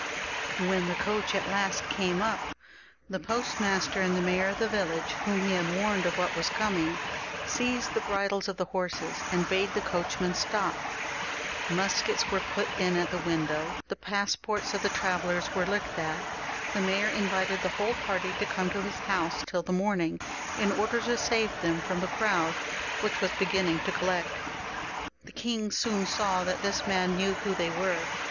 When the coach at last came up, the postmaster and the mayor of the village, whom he had warned of what was coming, seized the bridles of the horses, and bade the coachman stop. Muskets were put in at the window, the passports of the travellers were looked at ; the mayor in vited the whole party to come to his house till the morn ing, in order to save them from the crowd, which was beginning to collect. The king soon saw that this man knew who they were.